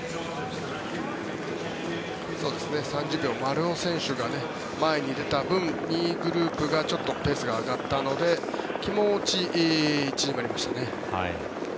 ３０秒丸尾選手が前に出た分２位グループがちょっとペースが上がったので気持ち、縮まりましたね。